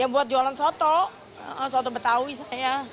buat jualan soto soto betawi saya